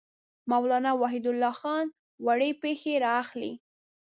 مولانا وحیدالدین خان وړې پېښې را اخلي.